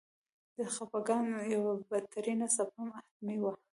د خپګان یوه بدترینه څپه حتمي وه.